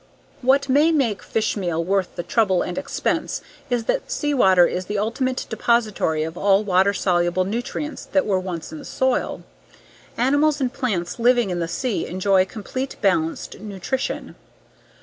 What may make fish meal worth the trouble and expense is that sea water is the ultimate depository of all water soluble nutrients that were once in the soil. Animals and plants living in the sea enjoy complete, balanced nutrition.